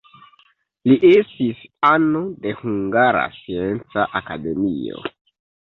Li estis ano de Hungara Scienca Akademio.